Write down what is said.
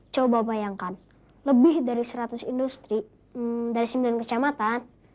coba bayangkan lebih dari seratus industri dari sembilan kecamatan